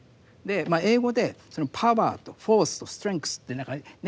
英語でパワーとフォースとストレングスって何かね